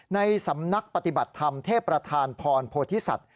ในสำนักปฏิบัติธรรมเทพประธานพรโพธิสัตว